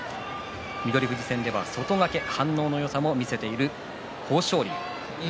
翠富士戦では外掛けで反応のよさも見せている豊昇龍です。